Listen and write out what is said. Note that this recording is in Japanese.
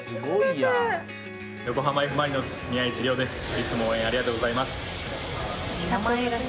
いつも応援ありがとうございます。